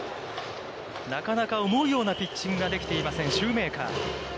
なかなか思うようなピッチングができていません、シューメーカー。